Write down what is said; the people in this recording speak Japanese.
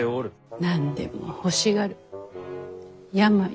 何でも欲しがる病。